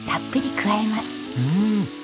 うん。